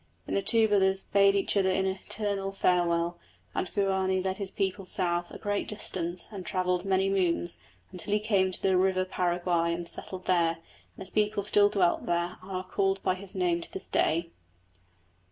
Then the two old brothers bade each other an eternal farewell, and Guarani led his people south a great distance and travelled many moons until he came to the River Paraguay, and settled there; and his people still dwell there and are called by his name to this day.